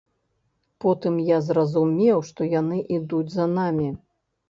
Потым я зразумеў, што яны ідуць за намі.